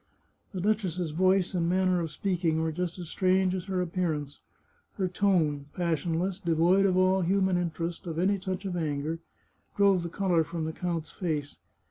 The duchess's voice and manner of speaking were just as strange as her appearance. Her tone — passionless, de void of all human interest, of any touch of anger — drove the colour from the count's face.